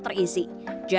jaringan internet terisi